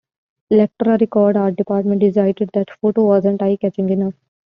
Elektra Records art department decided that photo wasn't eye-catching enough.